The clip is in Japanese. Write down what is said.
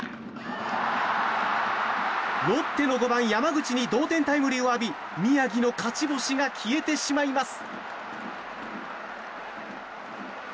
ロッテの５番、山口に同点タイムリーを浴び宮城の勝ち星が消えてしまいます。